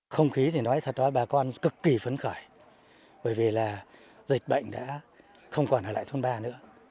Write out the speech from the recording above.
không khí thì nói thật đó bà con cực kỳ phấn khởi bởi vì là dịch bệnh đã không còn ở lại thôn ba nữa